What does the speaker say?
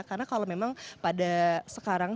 karena kalau memang pada sekarang